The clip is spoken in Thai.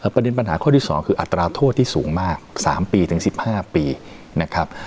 ประเด็นปัญหาข้อที่๒คืออัตราโทษที่สูงมาก๓ปีถึง๑๕ปีนะครับ